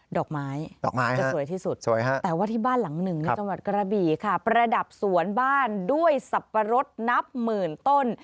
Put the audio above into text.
ดอกไม้ดอกไม้จะสวยที่สุดแต่ว่าที่บ้านหลังหนึ่งในจังหวัดกระบี่ค่ะประดับสวนบ้านด้วยสับปะรดนับหมื่นต้น